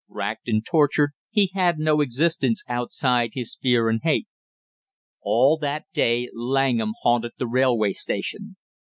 Racked and tortured, he had no existence outside his fear and hate. All that day Langham haunted the railway station.